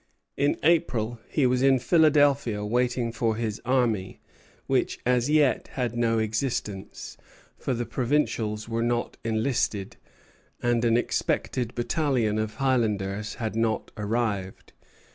In April he was in Philadelphia waiting for his army, which as yet had no existence; for the provincials were not enlisted, and an expected battalion of Highlanders had not arrived.